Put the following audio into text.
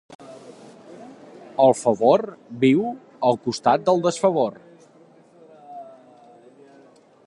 El favor viu al costat del desfavor.